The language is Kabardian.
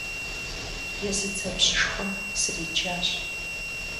Езы дзэпщышхуэм сриджащ!